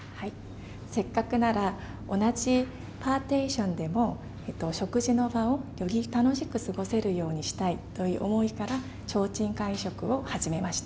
せっかくなら、同じパーテーションでも食事の場をより楽しく過ごせるようにしたいという思いから、ちょうちん会食を始めました。